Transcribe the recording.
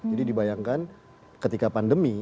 jadi dibayangkan ketika pandemi